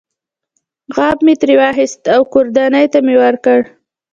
غاب مې ترې واخیست او ګوردیني ته مې ورکړ.